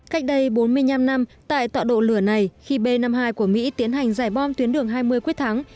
cách đây bốn mươi năm năm tại tọa độ lửa này khi b năm mươi hai của mỹ tiến hành giải bom tuyến đường hai mươi quyết thắng